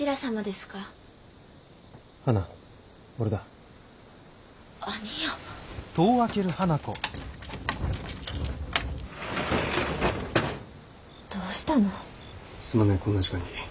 すまないこんな時間に。